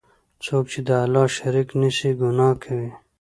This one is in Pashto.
څوک چی د الله شریک نیسي، ګناه کوي.